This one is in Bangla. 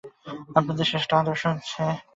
আমাদের শ্রেষ্ঠ আদর্শ হচ্ছেন ভগবান্।